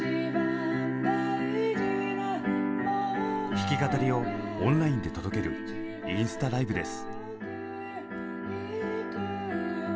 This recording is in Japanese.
弾き語りをオンラインで届けるインスタライブです。